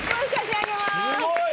すごい！